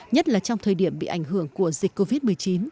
nhất là trong thời điểm bị ảnh hưởng của dịch covid một mươi chín